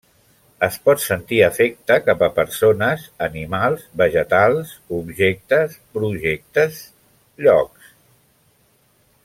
Es pot sentir afecte cap a persones, animals, vegetals, objectes, projectes, llocs.